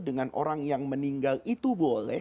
dengan orang yang meninggal itu boleh